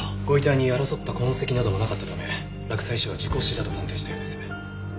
ご遺体に争った痕跡などもなかったため洛西署は事故死だと断定したようです。